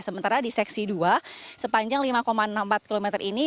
sementara di seksi dua sepanjang lima enam puluh empat km ini